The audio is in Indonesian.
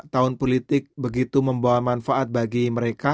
tahun politik begitu membawa manfaat bagi mereka